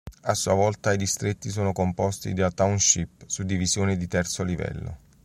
A sua volta i distretti sono composti da "township", suddivisioni di terzo livello.